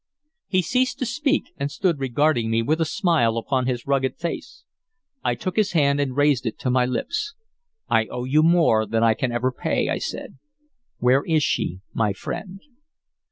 He ceased to speak, and stood regarding me with a smile upon his rugged face. I took his hand and raised it to my lips. "I owe you more than I can ever pay," I said. "Where is she, my friend?"